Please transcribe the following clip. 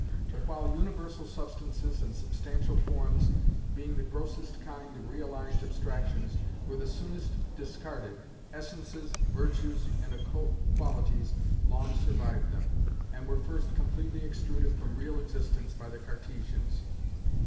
But while universal substances and substantial forms, being the grossest kind of realized abstractions, were the soonest discarded, Essences, Virtues, and Occult Qualities long survived them, and were first completely extruded from real existence by the Cartesians.